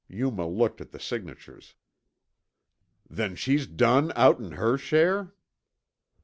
Yuma looked at the signatures. "Then she's done outen her share?"